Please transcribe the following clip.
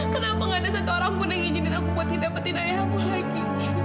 kenapa gak ada satu orang pun yang izinin aku buat ngedapetin ayah aku lagi